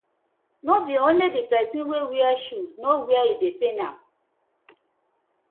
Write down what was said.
No be only di person wey wear shoe know where e dey pain am.